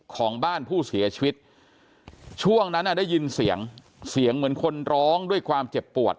ของบ้านผู้เสียชีวิตช่วงนั้นได้ยินเสียงเสียงเหมือนคนร้องด้วยความเจ็บปวด